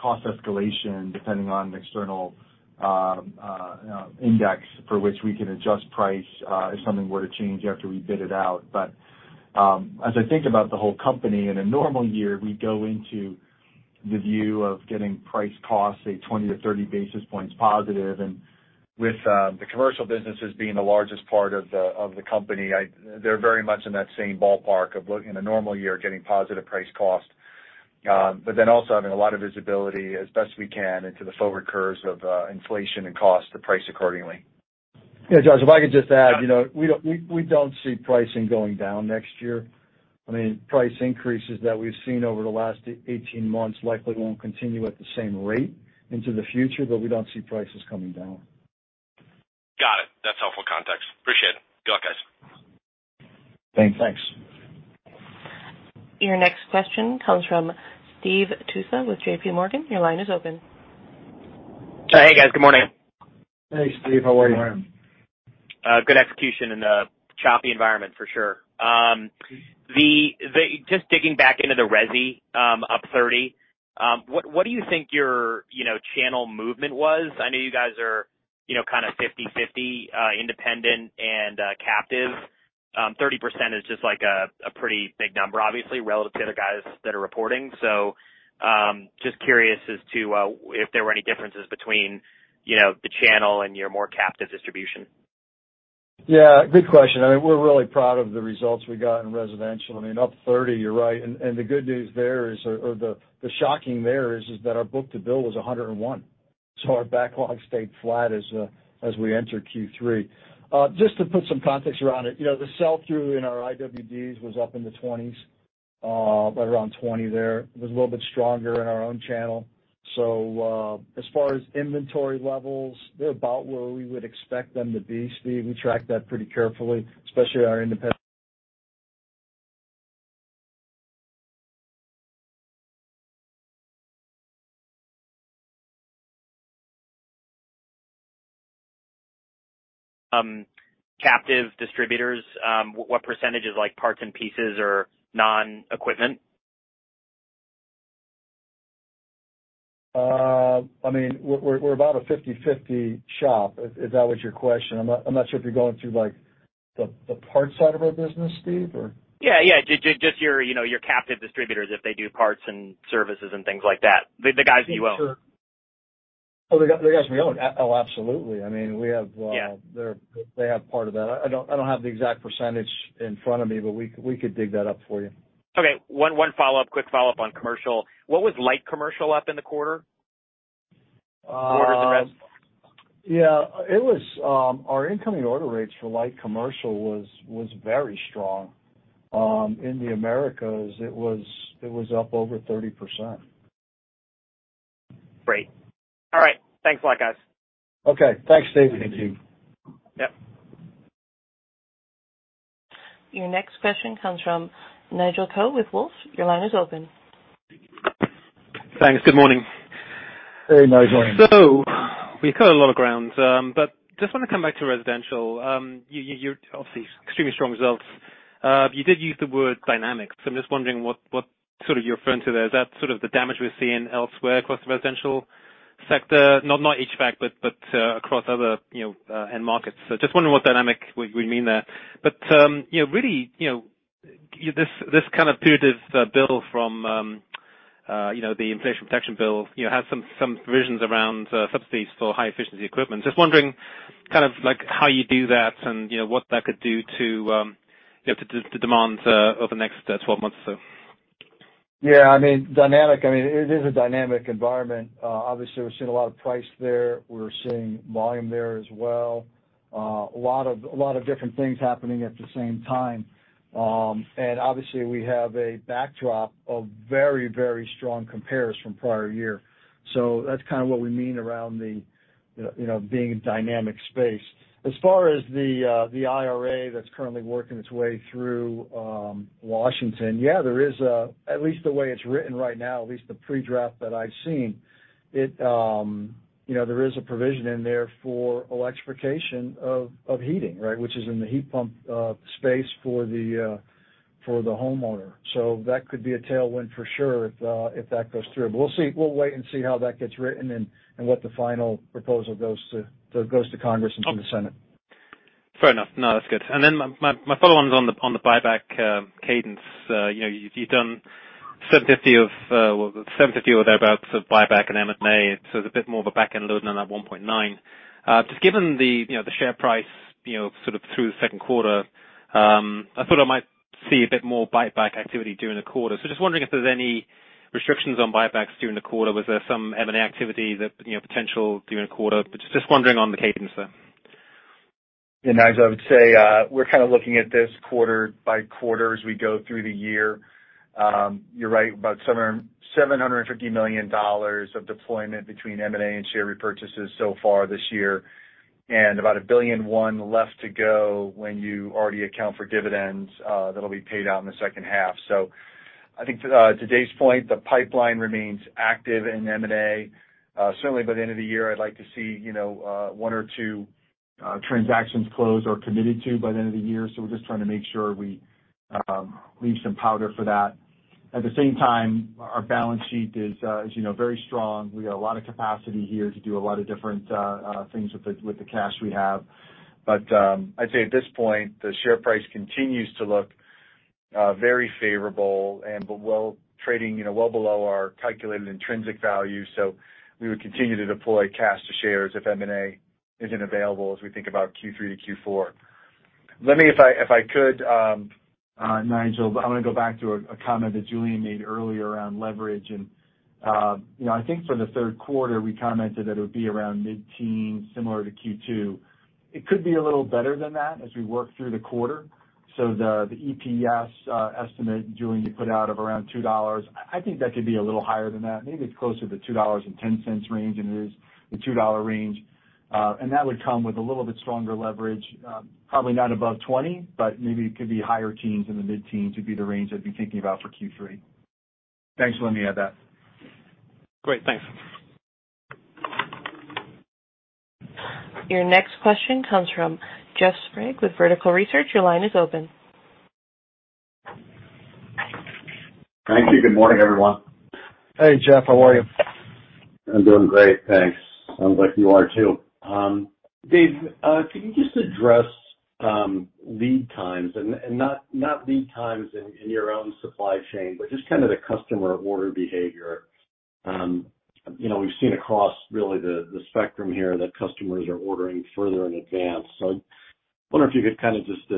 cost escalation depending on external you know index for which we can adjust price if something were to change after we bid it out. But as I think about the whole company, in a normal year, we go into the view of getting price costs say 20-30 basis points positive. With the commercial businesses being the largest part of the company, they're very much in that same ballpark of in a normal year, getting positive price cost. also having a lot of visibility as best we can into the forward curves of inflation and cost to price accordingly. Yeah, Josh, if I could just add. Yeah. You know, we don't see pricing going down next year. I mean, price increases that we've seen over the last 18 months likely won't continue at the same rate into the future, but we don't see prices coming down. Got it. That's helpful context. Appreciate it. Good luck, guys. Thanks. Thanks. Your next question comes from Steve Tusa with JPMorgan. Your line is open. Hey, guys. Good morning. Hey, Steve. How are you? Good morning. Good execution in the choppy environment for sure. Just digging back into the resi, up 30%, what do you think your, you know, channel movement was? I know you guys are, you know, kind of 50/50, independent and captive. 30% is just, like, a pretty big number, obviously, relative to other guys that are reporting. Just curious as to if there were any differences between, you know, the channel and your more captive distribution. Yeah, good question. I mean, we're really proud of the results we got in residential. I mean, up 30%, you're right. The good news there is that our book-to-bill was 101, so our backlog stayed flat as we enter Q3. Just to put some context around it, you know, the sell-through in our IWDs was up in the 20s, right around 20 there. It was a little bit stronger in our own channel. As far as inventory levels, they're about where we would expect them to be, Steve. We track that pretty carefully, especially our independent Captive distributors, what percentage is like parts and pieces or non-equipment? I mean, we're about a 50/50 shop, if that was your question. I'm not sure if you're going through like the parts side of our business, Steve, or? Yeah, yeah. Just your, you know, your captive distributors, if they do parts and services and things like that, the guys you own. Oh, the guys we own. Oh, absolutely. I mean, we have Yeah. They have part of that. I don't have the exact percentage in front of me, but we could dig that up for you. Okay. One quick follow-up on commercial. What was light commercial up in the quarter? Uh. Residential? Yeah. It was our incoming order rates for light commercial was very strong. In the Americas it was up over 30%. Great. All right. Thanks a lot, guys. Okay. Thanks, Steve. Thank you. Yep. Your next question comes from Nigel Coe with Wolfe. Your line is open. Thanks. Good morning. Hey, Nigel. We've covered a lot of ground, but just wanna come back to residential. You've obviously extremely strong results. You did use the word dynamic, so I'm just wondering what sort of you're referring to there. Is that sort of the damage we're seeing elsewhere across the residential sector? Not HVAC, but across other, you know, end markets. Just wondering what dynamic we mean there. You know, really, you know, this kind of putative bill from, you know, the Inflation Reduction Act, you know, has some provisions around subsidies for high efficiency equipment. Just wondering kind of, like, how you do that and, you know, what that could do to, you know, to demand over the next 12 months or so. Yeah, I mean, dynamic. I mean, it is a dynamic environment. Obviously we're seeing a lot of price there. We're seeing volume there as well. A lot of different things happening at the same time. And obviously we have a backdrop of very, very strong compares from prior year. So that's kind of what we mean around the, you know, being a dynamic space. As far as the IRA that's currently working its way through Washington, yeah, there is a, at least the way it's written right now, at least the pre-draft that I've seen, it, you know, there is a provision in there for electrification of heating, right? Which is in the heat pump space for the homeowner. So that could be a tailwind for sure if that goes through. We'll see. We'll wait and see how that gets written and what the final proposal goes to Congress and to the Senate. Fair enough. No, that's good. My follow on is on the buyback cadence. You know, you've done $750 million or thereabouts of buyback and M&A. It's a bit more of a back-end load than that $1.9 billion. Just given the you know the share price you know sort of through the second quarter, I thought I might see a bit more buyback activity during the quarter. Just wondering if there's any restrictions on buybacks during the quarter. Was there some M&A activity that you know potential during the quarter? Just wondering on the cadence there. Yeah, Nigel, I would say, we're kind of looking at this quarter by quarter as we go through the year. You're right, about $750 million of deployment between M&A and share repurchases so far this year, and about $1.1 billion left to go when you already account for dividends, that'll be paid out in the second half. I think, to Dave's point, the pipeline remains active in M&A. Certainly by the end of the year, I'd like to see, you know, one or two, transactions closed or committed to by the end of the year. We're just trying to make sure we, leave some powder for that. At the same time, our balance sheet is, as you know, very strong. We got a lot of capacity here to do a lot of different things with the cash we have. I'd say at this point, the share price continues to look very favorable, trading, you know, well below our calculated intrinsic value. We would continue to deploy cash to shares if M&A isn't available as we think about Q3 to Q4. Let me, if I could, Nigel, I wanna go back to a comment that Julian made earlier around leverage. You know, I think for the third quarter, we commented that it would be around mid-teens, similar to Q2. It could be a little better than that as we work through the quarter. The EPS estimate, Julian, you put out of around $2, I think that could be a little higher than that. Maybe it's closer to $2.10 range than it is the $2 range. That would come with a little bit stronger leverage, probably not above 20, but maybe it could be high teens in the mid-teens would be the range I'd be thinking about for Q3. Thanks for letting me add that. Great. Thanks. Your next question comes from Jeff Sprague with Vertical Research Partners. Your line is open. Thank you. Good morning, everyone. Hey, Jeff. How are you? I'm doing great. Thanks. Sounds like you are too. Dave, can you just address lead times and not lead times in your own supply chain, but just kind of the customer order behavior? You know, we've seen across really the spectrum here that customers are ordering further in advance. I wonder if you could kind of just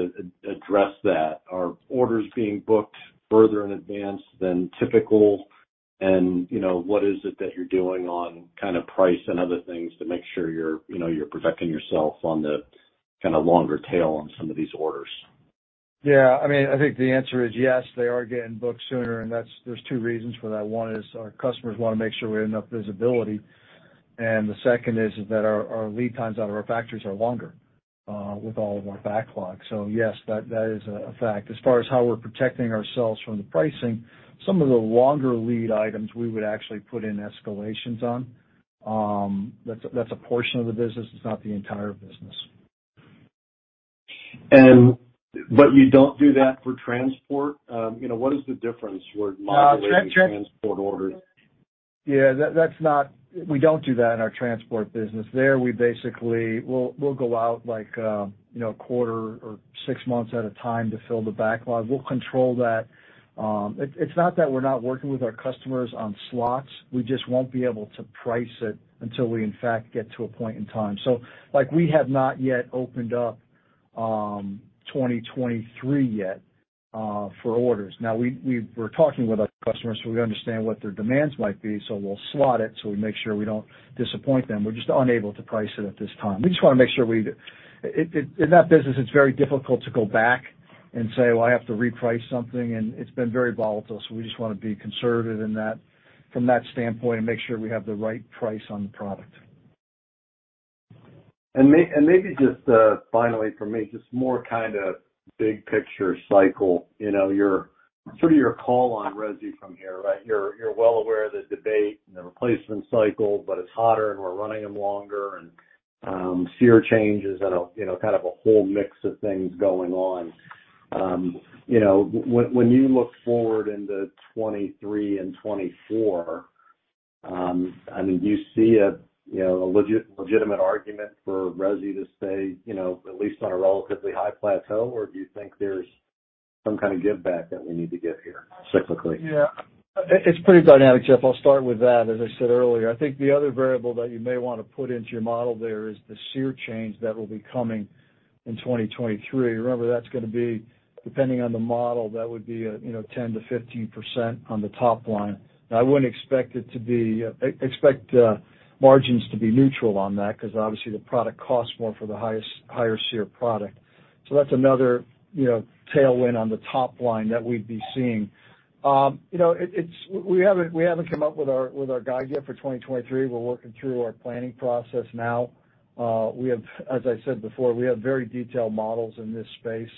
address that. Are orders being booked further in advance than typical? You know, what is it that you're doing on kind of price and other things to make sure you're protecting yourself on the kind of longer tail on some of these orders? Yeah, I mean, I think the answer is yes, they are getting booked sooner, and that's, there's two reasons for that. One is our customers wanna make sure we have enough visibility. The second is that our lead times out of our factories are longer with all of our backlog. Yes, that is a fact. As far as how we're protecting ourselves from the pricing, some of the longer lead items we would actually put in escalations on. That's a portion of the business. It's not the entire business. you don't do that for transport? You know, what is the difference with modulating transport orders? Yeah, that's not. We don't do that in our transport business. There, we basically. We'll go out like, you know, a quarter or six months at a time to fill the backlog. We'll control that. It's not that we're not working with our customers on slots. We just won't be able to price it until we in fact get to a point in time. Like, we have not yet opened up 2023 yet for orders. Now we're talking with our customers so we understand what their demands might be, so we'll slot it, so we make sure we don't disappoint them. We're just unable to price it at this time. We just wanna make sure we in that business, it's very difficult to go back and say, "Well, I have to reprice something," and it's been very volatile, so we just wanna be conservative in that from that standpoint and make sure we have the right price on the product. Maybe just finally from me, just more kind of big picture cycle. You know, your sort of your call on resi from here, right? You're well aware of the debate and the replacement cycle, but it's hotter, and we're running them longer, and SEER changes and you know, kind of a whole mix of things going on. You know, when you look forward into 2023 and 2024, I mean, do you see a you know, a legitimate argument for resi to stay you know, at least on a relatively high plateau? Or do you think there's some kind of give back that we need to give here cyclically? Yeah. It's pretty dynamic, Jeff. I'll start with that. As I said earlier, I think the other variable that you may wanna put into your model there is the SEER change that will be coming in 2023. Remember, that's gonna be depending on the model, that would be, you know, 10%-15% on the top line. I wouldn't expect it to be expect margins to be neutral on that because obviously the product costs more for the higher SEER product. So that's another, you know, tailwind on the top line that we'd be seeing. You know, it's we haven't come up with our guide yet for 2023. We're working through our planning process now. We have, as I said before, we have very detailed models in this space,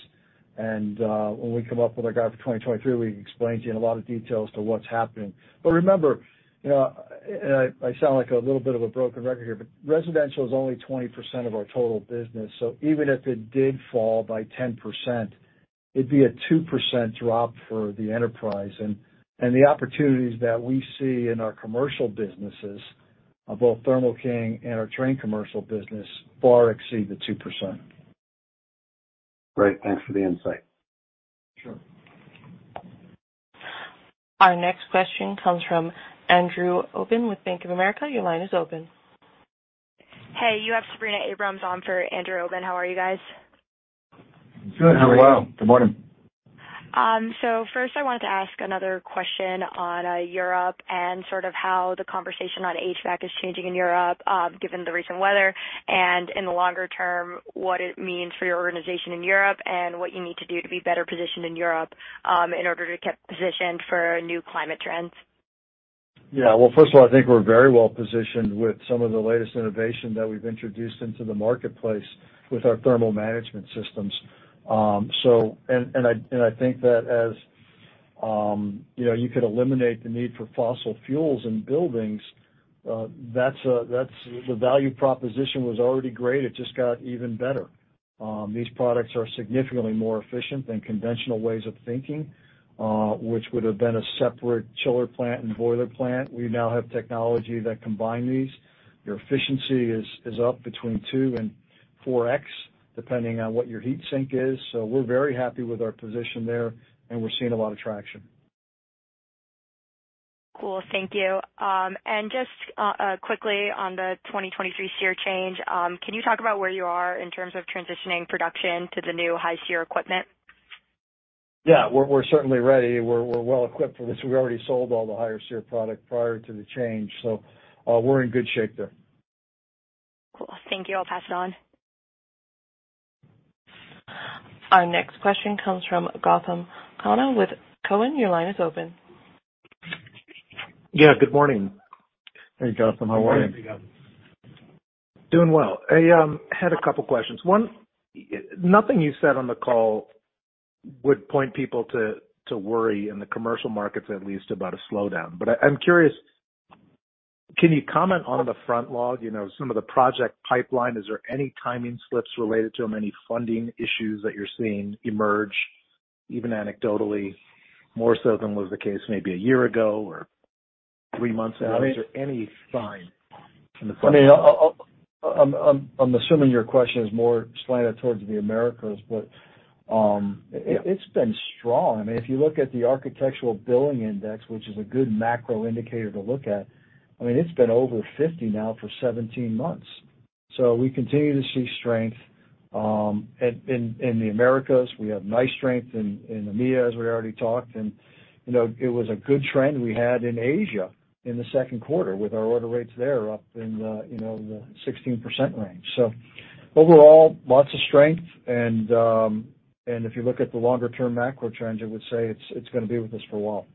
and when we come up with our guide for 2023, we can explain to you in a lot of detail as to what's happening. Remember, you know, and I sound like a little bit of a broken record here, but residential is only 20% of our total business. Even if it did fall by 10%, it'd be a 2% drop for the enterprise. The opportunities that we see in our commercial businesses of both Thermo King and our Trane commercial business far exceed the 2%. Great. Thanks for the insight. Sure. Our next question comes from Andrew Obin with Bank of America. Your line is open. Hey, you have Sabrina Abrams on for Andrew Obin. How are you guys? Good. How are you? Hello. Good morning. First I wanted to ask another question on Europe and sort of how the conversation on HVAC is changing in Europe, given the recent weather and in the longer term, what it means for your organization in Europe and what you need to do to be better positioned in Europe, in order to get positioned for new climate trends? Yeah. Well, first of all, I think we're very well positioned with some of the latest innovation that we've introduced into the marketplace with our thermal management systems. I think that as you know, you could eliminate the need for fossil fuels in buildings. That's the value proposition was already great. It just got even better. These products are significantly more efficient than conventional ways of thinking, which would have been a separate chiller plant and boiler plant. We now have technology that combine these. Your efficiency is up between 2x and 4x, depending on what your heat sink is. We're very happy with our position there, and we're seeing a lot of traction. Cool. Thank you. Just quickly on the 2023 SEER change, can you talk about where you are in terms of transitioning production to the new high SEER equipment? Yeah. We're certainly ready. We're well equipped for this. We already sold all the higher SEER product prior to the change, so we're in good shape there. Thank you. I'll pass it on. Our next question comes from Gautam Khanna with Cowen. Your line is open. Yeah, good morning. Hey, Gautam. How are you? Doing well. I had a couple questions. One, nothing you said on the call would point people to worry in the commercial markets, at least, about a slowdown. I'm curious, can you comment on the backlog, you know, some of the project pipeline, is there any timing slips related to them, any funding issues that you're seeing emerge even anecdotally, more so than was the case maybe a year ago or three months ago? Is there any sign in the backlog? I mean, I'm assuming your question is more slanted towards the Americas, but- Yeah. It's been strong. I mean, if you look at the Architecture Billings Index, which is a good macro indicator to look at, I mean, it's been over 50 now for 17 months. We continue to see strength in the Americas. We have nice strength in EMEA, as we already talked. You know, it was a good trend we had in Asia in the second quarter with our order rates there up in the 16% range. Overall, lots of strength. If you look at the longer term macro trends, I would say it's gonna be with us for a while.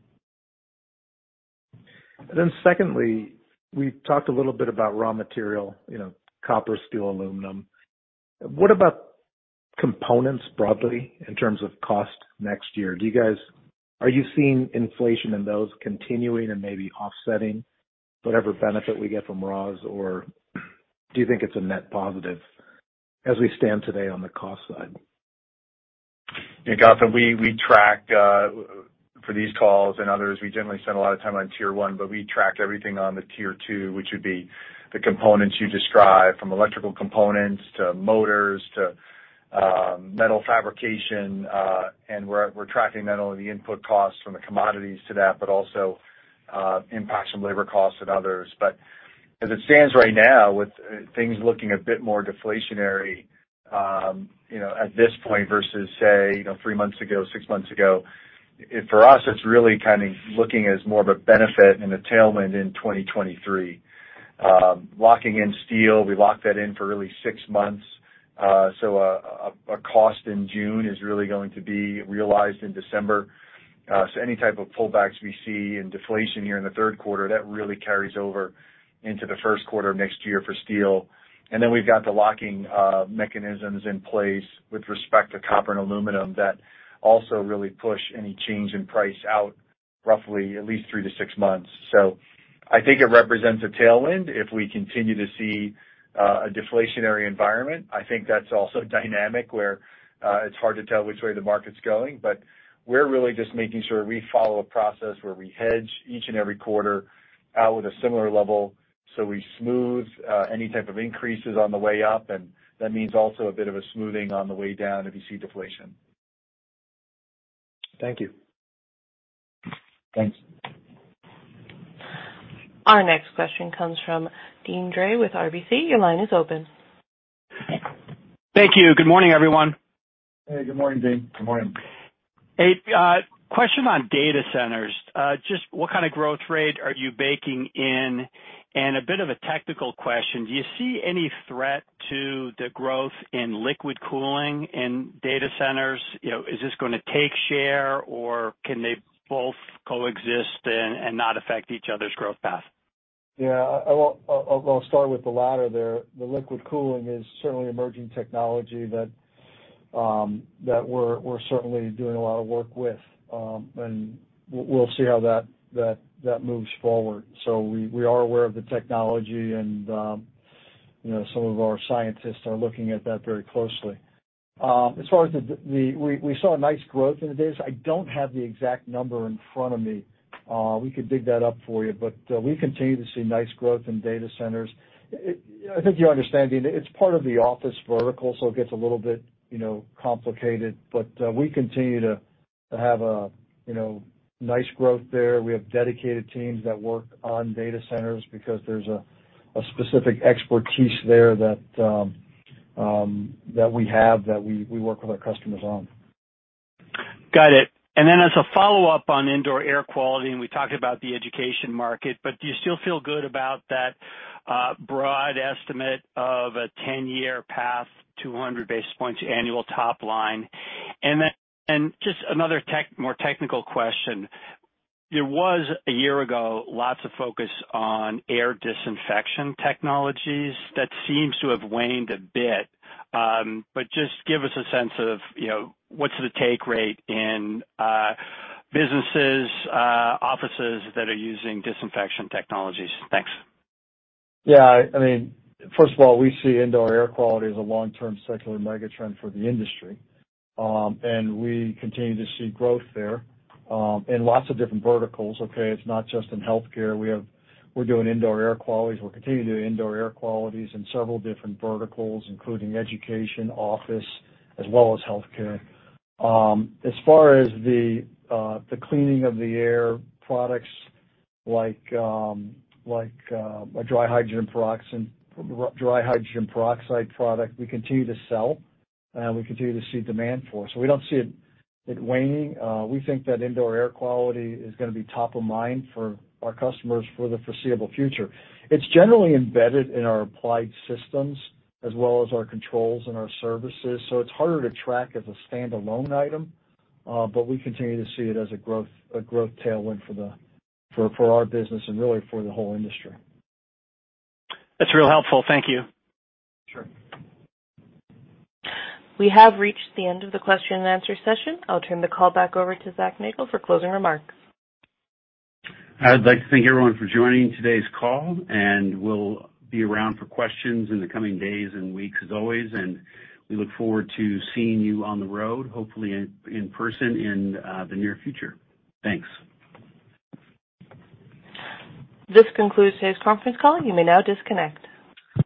Secondly, we talked a little bit about raw material, you know, copper, steel, aluminum. What about components broadly in terms of cost next year? Are you seeing inflation in those continuing and maybe offsetting whatever benefit we get from raws, or do you think it's a net positive as we stand today on the cost side? Yeah, Gautam, we track for these calls and others, we generally spend a lot of time on tier one, but we track everything on the Tier 2, which would be the components you described from electrical components to motors to metal fabrication, and we're tracking not only the input costs from the commodities to that, but also impacts from labor costs and others. As it stands right now, with things looking a bit more deflationary, you know, at this point versus say, you know, three months ago, six months ago, for us, it's really kind of looking as more of a benefit and a tailwind in 2023. Locking in steel, we lock that in for really six months. A cost in June is really going to be realized in December. Any type of pullbacks we see in deflation here in the third quarter, that really carries over into the first quarter of next year for steel. We've got the locking mechanisms in place with respect to copper and aluminum that also really push any change in price out roughly at least three-six months. I think it represents a tailwind if we continue to see a deflationary environment. I think that's also dynamic where it's hard to tell which way the market's going. We're really just making sure we follow a process where we hedge each and every quarter out with a similar level, so we smooth any type of increases on the way up, and that means also a bit of a smoothing on the way down if you see deflation. Thank you. Thanks. Our next question comes from Deane Dray with RBC. Your line is open. Thank you. Good morning, everyone. Hey, good morning, Deane. Good morning. Question on data centers. Just what kind of growth rate are you baking in? A bit of a technical question, do you see any threat to the growth in liquid cooling in data centers? You know, is this gonna take share, or can they both coexist and not affect each other's growth path? Yeah. I'll start with the latter there. The liquid cooling is certainly emerging technology that we're certainly doing a lot of work with, and we'll see how that moves forward. We are aware of the technology and, you know, some of our scientists are looking at that very closely. As far as we saw a nice growth in the business. I don't have the exact number in front of me. We could dig that up for you, but we continue to see nice growth in data centers. I think you understand, Deane, it's part of the office vertical, so it gets a little bit, you know, complicated. We continue to have a, you know, nice growth there. We have dedicated teams that work on data centers because there's a specific expertise there that we have that we work with our customers on. Got it. As a follow-up on indoor air quality, and we talked about the education market, but do you still feel good about that broad estimate of a 10-year path, 200 basis points annual top line? Just another more technical question. There was a year ago lots of focus on air disinfection technologies. That seems to have waned a bit, but just give us a sense of, you know, what's the take rate in businesses, offices that are using disinfection technologies. Thanks. Yeah. I mean, first of all, we see indoor air quality as a long-term secular mega trend for the industry, and we continue to see growth there, in lots of different verticals, okay? It's not just in healthcare. We're doing indoor air qualities. We'll continue to do indoor air qualities in several different verticals, including education, office, as well as healthcare. As far as the cleaning of the air products like a Dry Hydrogen Peroxide product, we continue to sell, we continue to see demand for. We don't see it waning. We think that indoor air quality is gonna be top of mind for our customers for the foreseeable future. It's generally embedded in our applied systems as well as our controls and our services, so it's harder to track as a standalone item, but we continue to see it as a growth tailwind for our business and really for the whole industry. That's real helpful. Thank you. Sure. We have reached the end of the question and answer session. I'll turn the call back over to Zach Nagle for closing remarks. I'd like to thank everyone for joining today's call, and we'll be around for questions in the coming days and weeks as always, and we look forward to seeing you on the road, hopefully in person in the near future. Thanks. This concludes today's conference call. You may now disconnect.